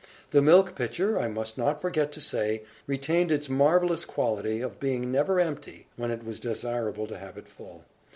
The milk pitcher, I must not forget to say, retained its marvellous quality of being never empty, when it was desirable to have it full.